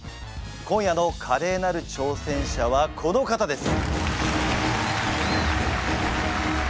今夜のカレーなる挑戦者はこの方です！